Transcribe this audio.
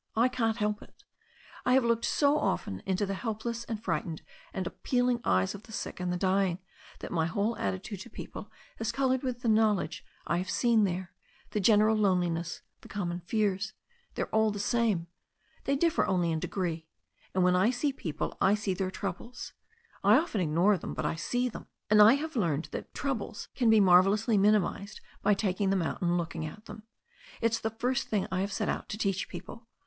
I can't help it I have looked so often into the helpless and frightened and appealing eyes of the sick and the dying that my whole at titude to people is coloured with the knowledge I have seen there — ^the general loneliness, the common fears, they are all the same. They differ only in degree. And when I see 158 THE STORY OF A NEW ZEALAND RIVER people I see first their troubles. I often ignore them, but I see them. And I have learned that troubles can be marvel lously minimized by taking them out and looking at them. It's the first thing I set out to teach people.